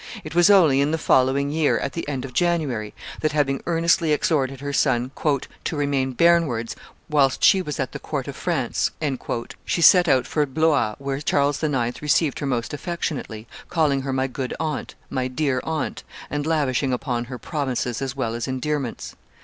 It was only in the following year, at the end of January, that, having earnestly exhorted her son "to remain Bearn wards whilst she was at the court of France," she set out for Blois, where Charles IX. received her most affectionately, calling her my good aunt, my dear aunt, and lavishing upon her promises as well as endearments.